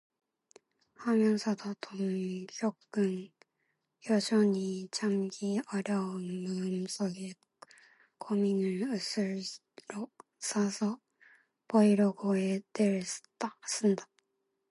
하면서도 동혁은 여전히 참기 어려운 마음속의 고민을 웃음으로 싸서 보이려고 애를 쓴다.